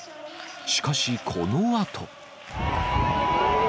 しかし、このあと。